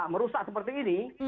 merusak seperti ini